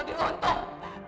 disini gak boleh